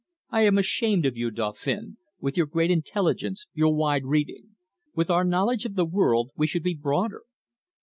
I am ashamed of you, Dauphin, with your great intelligence, your wide reading. With our knowledge of the world we should be broader."